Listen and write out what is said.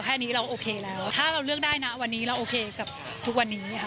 แค่นี้เราก็โอเคแล้วถ้าเราเลือกได้นะวันนี้เราโอเคกับทุกวันนี้ค่ะ